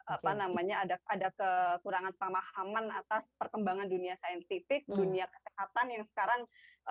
apa namanya ada kekurangan pemahaman atas perkembangan dunia saintifik dunia kesehatan yang sekarang